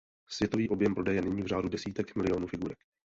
Světový objem prodeje je nyní v řádu desítek miliónů figurek.